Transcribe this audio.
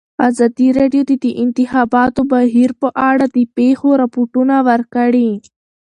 ازادي راډیو د د انتخاباتو بهیر په اړه د پېښو رپوټونه ورکړي.